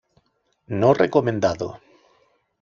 No recomendado.